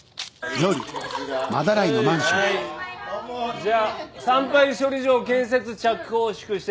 じゃあ産廃処理場建設着工を祝して。